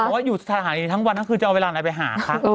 ว่าอยู่สถานีทั้งวันทั้งคืนจะเอาเวลาไหนไปหาคะ